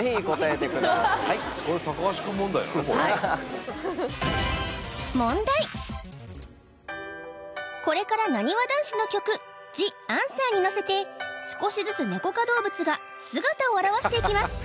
はいこれからなにわ男子の曲「ＴｈｅＡｎｓｗｅｒ」にのせて少しずつネコ科動物が姿を現していきます